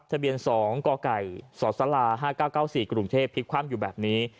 ทะเบียนสองกไก่สรษลาห้าเก้าเก้าสี่กรุงเทพฯพลิกความอยู่แบบนี้